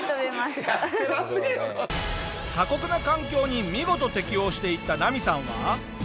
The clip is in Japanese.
過酷な環境に見事適応していったナミさんは。